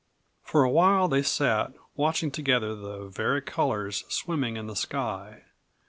For a while they sat, watching together the vari colors swimming in the sky.